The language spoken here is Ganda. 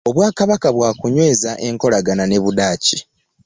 Obwakabaka bwakunyweza enkolagana ne budaaki.